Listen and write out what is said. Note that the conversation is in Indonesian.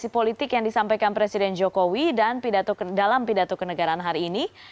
politik yang disampaikan presiden jokowi dan dalam pidato kenegaraan hari ini